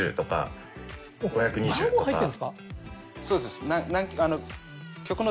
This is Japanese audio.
そうです。